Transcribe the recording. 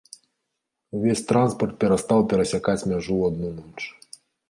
Увесь транспарт перастаў перасякаць мяжу ў адну ноч.